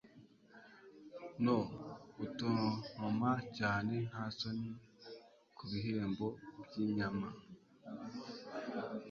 no gutontoma cyane nta soni kubihembo byinyama